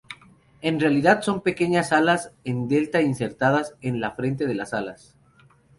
En realidad son pequeñas alas en delta insertadas en el frente de las alas.